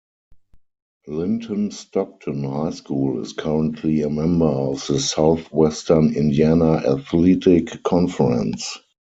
Linton-Stockton High School is currently a member of the Southwestern Indiana Athletic Conference.